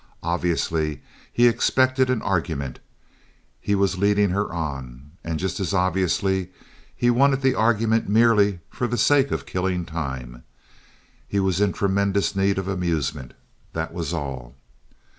Obviously he expected an argument; he was leading her on. And just as obviously he wanted the argument merely for the sake of killing time. He was in tremendous need of amusement. That was all.